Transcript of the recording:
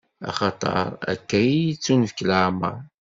Axaṭer akka i yi-d-ittunefk lameṛ.